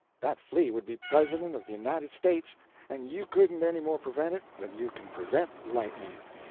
That flea would be President of the United States, and you couldn't any more prevent it than you can prevent lightning."